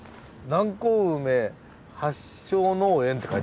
「南高梅発祥農園」って書いてありますね。